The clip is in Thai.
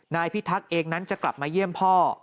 นายพี่ทักเองจะกลับมาเยี่ยมพ่อ